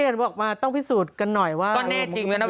เออเนอะพี่หิวอะ